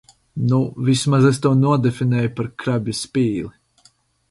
Nu, vismaz es to nodefinēju par krabja spīli.